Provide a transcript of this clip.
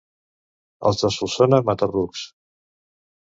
Els de Solsona, mata-rucs.